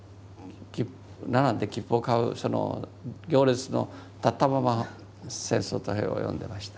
並んで切符を買うその行列の立ったまま「戦争と平和」を読んでました。